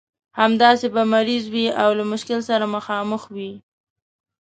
همداسې به مریض وي او له مشکل سره مخامخ وي.